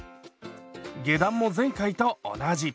下段も前回と同じ。